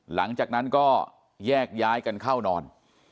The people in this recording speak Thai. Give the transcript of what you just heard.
หลังจากนั้นก็แยกย้ายกันเข้านอน